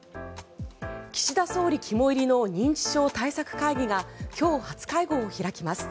岸田総理肝煎りの認知症対策会議が今日、初会合を開きます。